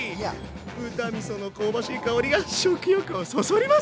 豚みその香ばしい香りが食欲をそそります！